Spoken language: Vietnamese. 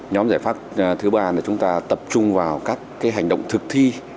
nhóm giải pháp thứ ba là chúng ta tập trung vào các hành động thực thi